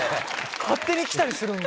勝手に来たりするんです